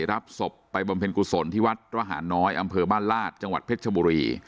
รับศพไปบำเพ็ญกุศลที่วัดระหารน้อยอำเภอบ้านลาดจังหวัดเพชรชบุรี